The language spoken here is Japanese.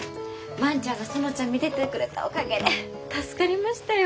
万ちゃんが園ちゃん見ててくれたおかげで助かりましたよ。